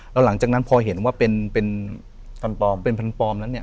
แล้วหลังจากนั้นพอเห็นว่าเป็นฟันปลอมนั้นเนี่ย